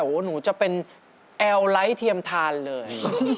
โอ้โหหนูจะเป็นแอลไลท์เทียมทานเลย